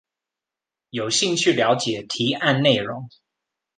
有興趣了解提案內容